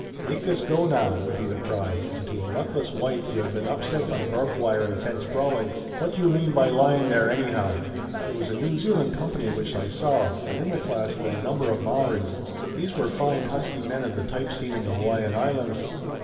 "Make this go now," would be the cry, and to a luckless wight who had been upset by barbed wire and sent sprawling: "What do you mean by lying there, anyhow?" It was a New Zealand company which I saw, and in the class were a number of Maoris. These were fine, husky men of the type seen in the Hawaiian Islands.